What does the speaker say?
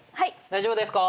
大丈夫ですか？